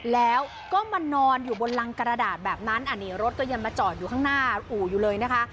แล้วก็มานอนอยู่บนรังกระดาษแบบนั้นอันนี้รถก็ยังมาจอดอยู่ข้างหน้าอู่อยู่เลยนะคะ